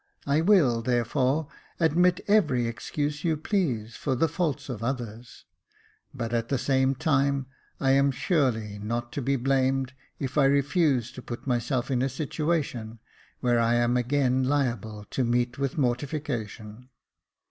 I will, therefore, admit every excuse you please, for the faults of others ; but at the same time, I am surely not to be blamed if I refuse to put myself in a situation where I am again liable to meet with mortification.